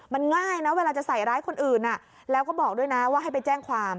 มันง่ายนะเวลาจะใส่ร้ายคนอื่นแล้วก็บอกด้วยนะว่าให้ไปแจ้งความ